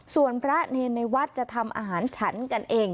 ส่วนพระเนรในวัดจะทำอาหารฉันกันเอง